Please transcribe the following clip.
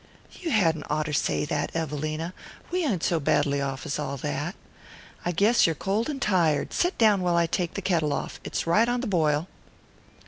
"You hadn't oughter say that, Evelina. We ain't so badly off as all that. I guess you're cold and tired. Set down while I take the kettle off: it's right on the boil."